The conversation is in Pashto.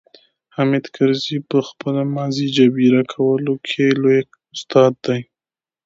حامد کرزي په خپله ماضي جبيره کولو کې لوی استاد دی.